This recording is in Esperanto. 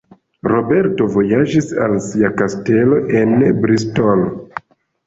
Roberto vojaĝis al sia kastelo en Bristol.